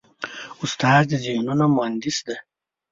استاد د ذهنونو مهندس دی.